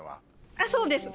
あっそうです。